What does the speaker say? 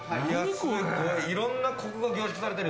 いろんなこくが凝縮されてる。